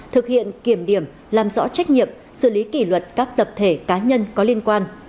thực hiện kiểm điểm làm rõ trách nhiệm xử lý kỷ luật các tập thể cá nhân có liên quan